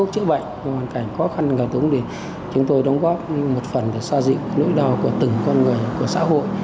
chúng tôi đóng góp một phần để xoa dị nỗi đau của từng con người của xã hội